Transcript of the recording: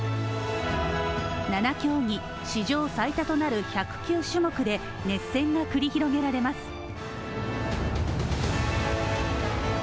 ７競技、史上最多となる１０９種目で熱戦が繰り広げられます。